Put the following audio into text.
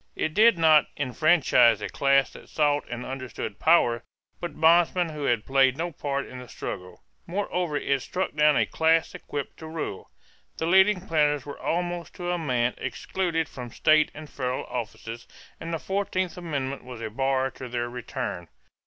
It did not enfranchise a class that sought and understood power, but bondmen who had played no part in the struggle. Moreover it struck down a class equipped to rule. The leading planters were almost to a man excluded from state and federal offices, and the fourteenth amendment was a bar to their return.